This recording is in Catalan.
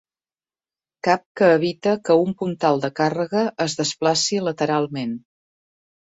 Cap que evita que un puntal de càrrega es desplaci lateralment.